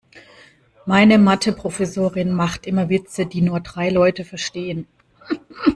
Meine Mathe-Professorin macht immer Witze, die nur drei Leute verstehen.